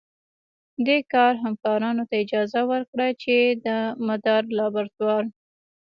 دې کار همکارانو ته اجازه ورکړه چې د مدار لابراتوار